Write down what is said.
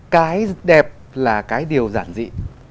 cái đẹp là cái điều giản dị